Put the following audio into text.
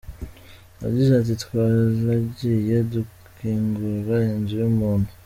Yagize ati ”Twaragiye dukingura inzu y’umuntu .